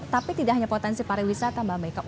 tapi tidak hanya potensi para wisata mbak meika